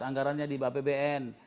anggarannya di apbn